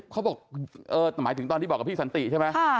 เขาบอกหมายถึงตอนที่บอกกับพี่สันติใช่ไหม